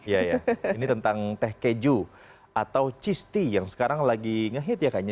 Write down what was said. iya ya ini tentang teh keju atau cheese tea yang sekarang lagi ngehit ya kayaknya